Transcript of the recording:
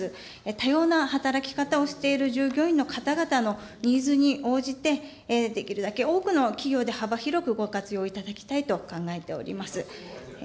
多様な働き方をしている従業員の方々のニーズに応じて、できるだけ多くの企業で幅広くご活用いただきたいと考えております。